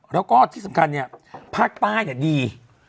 แล้วก็ที่สำคัญเนี่ยภาคใต้ดี